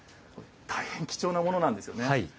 大変貴重なものなんですよね。